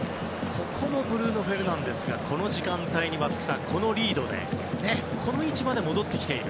ここもブルーノ・フェルナンデスがこの時間帯に松木さん、このリードでこの位置まで戻ってきている。